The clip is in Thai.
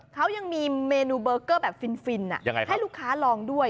เขายังมีเมนูเบอร์เกอร์แบบฟินให้ลูกค้าลองด้วย